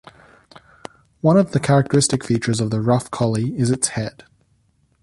One of the characteristic features of the Rough Collie is its head.